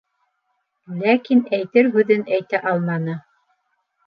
Ләкин әйтер һүҙен әйтә алманы.